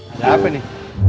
ada apa nih